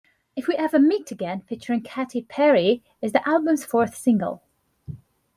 "If We Ever Meet Again" featuring Katy Perry is the album's fourth single.